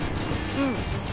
うん。